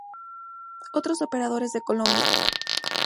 Otros operadores de Colombia